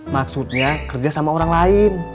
maksudnya kerja sama orang lain